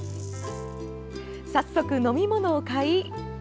早速、飲み物を買い